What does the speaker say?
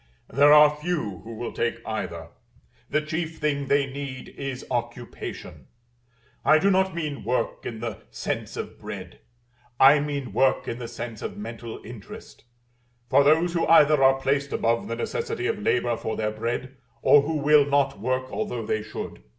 There are few who will take either: the chief thing they need is occupation. I do not mean work in the sense of bread, I mean work in the sense of mental interest; for those who either are placed above the necessity of labor for their bread, or who will not work although they should.